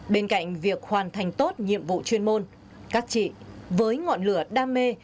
bên cạnh việc hoàn thành tốt nhiệm vụ chuyên môn các chị với ngọn lửa đam mê